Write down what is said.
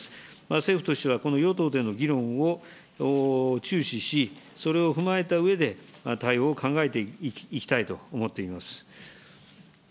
政府としては、この与党での議論を注視し、それを踏まえたうえで、対応を考えていきたいと思っています。